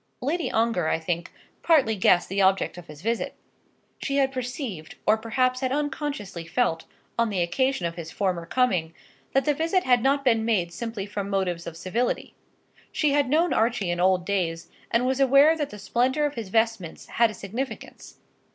Lady Ongar, I think, partly guessed the object of his visit. She had perceived, or perhaps had unconsciously felt, on the occasion of his former coming, that the visit had not been made simply from motives of civility. She had known Archie in old days, and was aware that the splendour of his vestments had a significance.